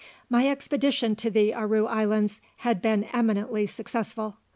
My expedition to the Aru Islands had been eminently successful.